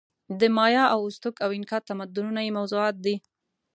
د مایا او ازتک او اینکا تمدنونه یې موضوعات دي.